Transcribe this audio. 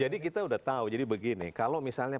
jadi kita udah tahu jadi begini kalau misalnya